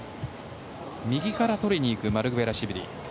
右から取りに行くマルクベラシュビリ。